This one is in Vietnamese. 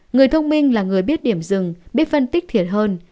người thông minh là người biết điểm rừng biết phân tích thiệt hơn